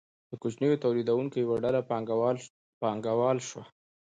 د کوچنیو تولیدونکو یوه ډله پانګواله شوه.